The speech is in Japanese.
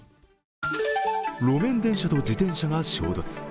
路面電車と自転車が衝突。